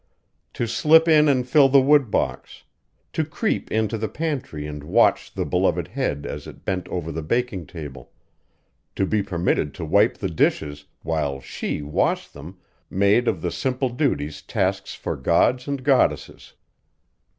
To slip in and fill the wood box; to creep into the pantry and watch the beloved head as it bent over the baking table; to be permitted to wipe the dishes while She washed them made of the simple duties tasks for gods and goddesses.